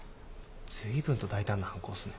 ずいぶんと大胆な犯行っすね。